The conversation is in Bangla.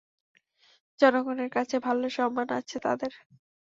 জনগণের কাছে ভালো সম্মান আছে তাদের।